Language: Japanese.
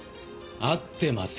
会ってません。